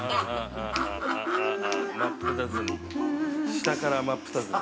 ◆下から真っ二つに。